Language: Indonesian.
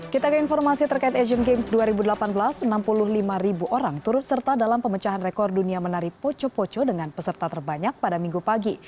kita ke informasi terkait asian games dua ribu delapan belas enam puluh lima ribu orang turut serta dalam pemecahan rekor dunia menari poco poco dengan peserta terbanyak pada minggu pagi